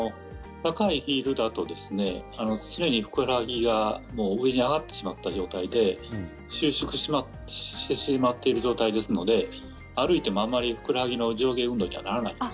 高いヒールだと常に、ふくらはぎが上に上がってしまった状態で収縮してしまっている状態なので歩いても、あまりふくらはぎの上下運動にはならないんです。